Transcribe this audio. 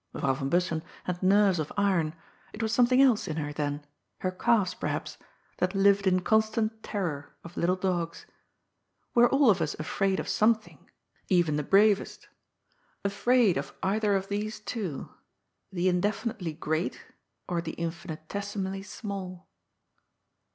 Mevrouw van Bussen had nerves of iron; it was something else in her then — ^her calves, perhaps — ^that lived in constant terror of little dogs. We are all of us afraid of something — even the bravest — ^afraid of either of these two : the indefinitely great, or the infinitesimally small.